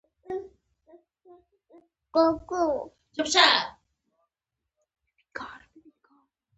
اوبزین معدنونه د افغانستان د چاپیریال د مدیریت لپاره مهم دي.